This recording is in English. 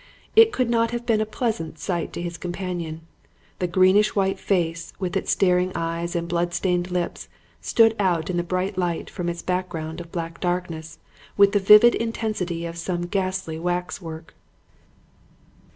It could not have been a pleasant sight to his companion. The greenish white face with its staring eyes and blood stained lips stood out in the bright light from its background of black darkness with the vivid intensity of some ghastly wax work.